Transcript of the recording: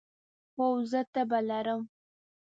هو، زه تبه لرم